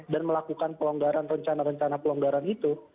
dan melakukan pelonggaran rencana rencana pelonggaran itu